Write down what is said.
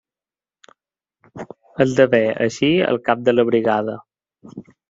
Esdevé així el cap de la brigada.